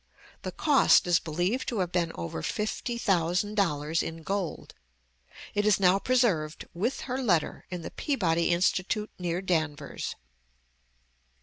The cost is believed to have been over fifty thousand dollars in gold. It is now preserved, with her letter, in the Peabody Institute near Danvers.